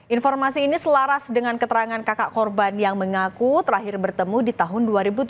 informasi ini selaras dengan keterangan kakak korban yang mengaku terakhir bertemu di tahun dua ribu tujuh belas